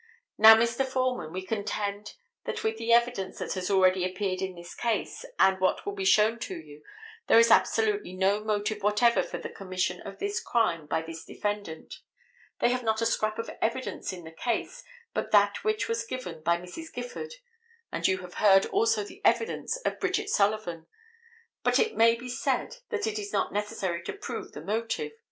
Now Mr. Foreman, we contend that with the evidence that has already appeared in this case, and what will be shown to you, there is absolutely no motive whatever for the commission of this crime by this defendant. They have not a scrap of evidence in the case but that which was given by Mrs. Gifford, and you have heard also the evidence of Bridget Sullivan. But it may be said that it is not necessary to prove the motive.